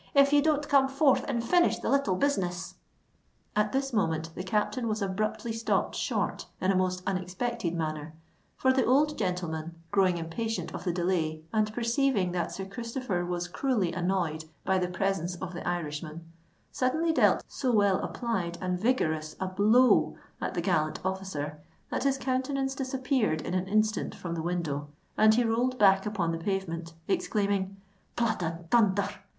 if ye don't come forth and finish the little business——" At this moment the captain was abruptly stopped short in a most unexpected manner; for the old gentleman, growing impatient of the delay, and perceiving that Sir Christopher was cruelly annoyed by the presence of the Irishman, suddenly dealt so well applied and vigorous a blow at the gallant officer, that his countenance disappeared in an instant from the window, and he rolled back upon the pavement, exclaiming, "Blood and thunther!"